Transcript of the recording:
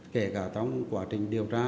kể cả trong quá trình điều tra